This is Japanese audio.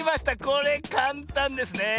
これかんたんですね。